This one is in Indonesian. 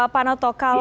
pak noto kalau